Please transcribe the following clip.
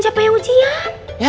siapa yang ujian